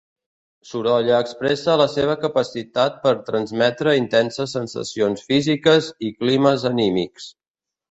Sorolla expressa la seva capacitat per transmetre intenses sensacions físiques i climes anímics.